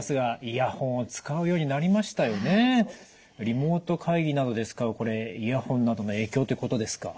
リモート会議などで使うこれイヤホンなどの影響っていうことですか。